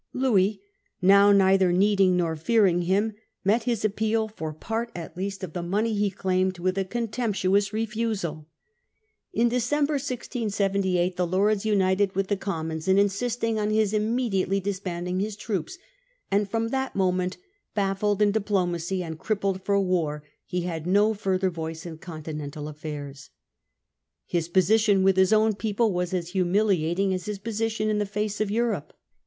Louis now, neither needing nor fearing him, met his appeal for part at least of the money he claimed with a contemptuous refusal. In December, 1678, the Lords united with the Commons in insisting on his immediately disbanding his troops, and from that moment, baffled in diplomacy and crippled for war, he had no further voice in Continental affairs. His position with his own people was as humiliating Conclusion . 265 as his position in the face of Europe.